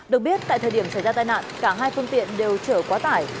được biết tại thời điểm xảy ra tai nạn cả hai phương tiện đều chở quá tải